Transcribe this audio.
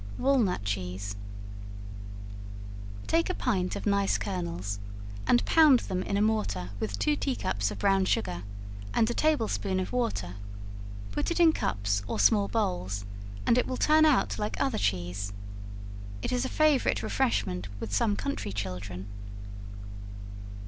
Walnut Cheese. Take a pint of nice kernels and pound them in a mortar with two tea cups of brown sugar, and a table spoonful of water; put it in cups or small bowls and it will turn out like other cheese. It is a favorite refreshment with some country children.